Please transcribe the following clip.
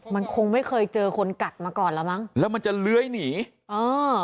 มันคงไม่เคยเจอคนกัดมาก่อนแล้วมั้งแล้วมันจะเลื้อยหนีเออ